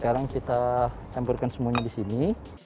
sekarang kita campurkan semuanya di sini